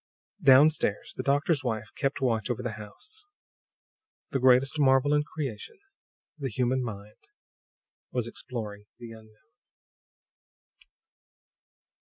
Down stairs, the doctor's wife kept watch over the house. The greatest marvel in creation, the human mind, was exploring the unknown.